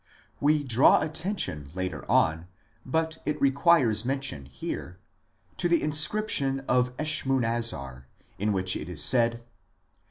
We draw attention later on, but it requires mention here, to the inscription of Eshmunazar, in which it is said